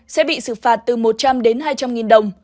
sẽ bị xử phạt từ một trăm linh đến hai trăm linh nghìn đồng